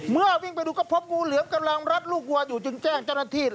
เมื่อวิ่งไปดูก็พบงูเหลือมกำลังรัดลูกวัวอยู่จึงแจ้งจันทิศ